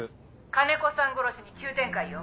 「金子さん殺しに急展開よ」